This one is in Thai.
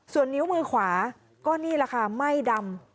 ส่วนนิ้วมือขวาก็นี่แหละค่ะไหม้ดำ